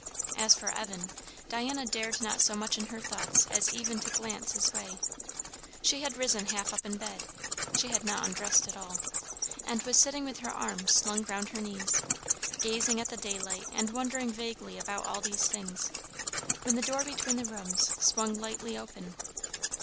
As for Evan, Diana dared not so much in her thoughts as even to glance his way. She had risen half up in bed she had not undressed at all and was sitting with her arms slung round her knees, gazing at the daylight and wondering vaguely about all these things, when the door between the rooms swung lightly open.